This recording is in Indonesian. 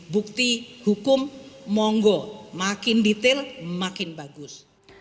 bukti hukum monggo makin detail makin bagus